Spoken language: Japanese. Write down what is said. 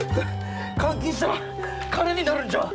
換金したら金になるんちゃう？